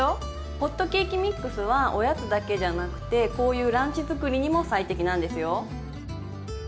ホットケーキミックスはおやつだけじゃなくてこういうランチ作りにも最適なんですよ。